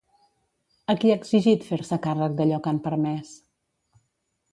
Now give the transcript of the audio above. A qui ha exigit fer-se càrrec d'allò que han permès?